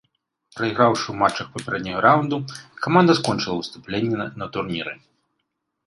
Прайграўшы ў матчах папярэдняга раўнду каманда скончыла выступленне на турніры.